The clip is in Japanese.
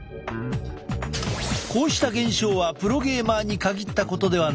こうした現象はプロゲーマーに限ったことではない。